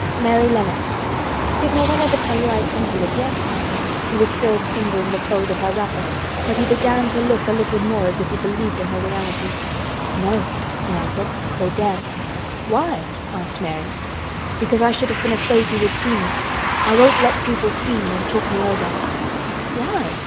"Mary Lennox. Did no one ever tell you I had come to live here?" He was still fingering the fold of her wrapper, but he began to look a little more as if he believed in her reality. "No," he answered. "They daren't." "Why?" asked Mary. "Because I should have been afraid you would see me. I won't let people see me and talk me over." "Why?"